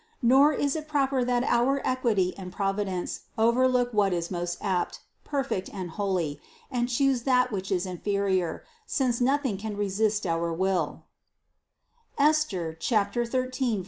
Nor is it proper that our equity and providence over look what is most apt, perfect and holy, and choose that 164 CITY OF GOD which is inferior, since nothing can resist our will (Es ther 13, 9).